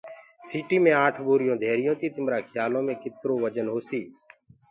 سيٚٽينٚ مي آٺ ٻوريٚونٚ ڌيريٚونٚ تيٚ تمرآ کيآلو مي ڪترو وجن هوسيٚ